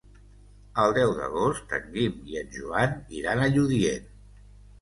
El deu d'agost en Guim i en Joan iran a Lludient.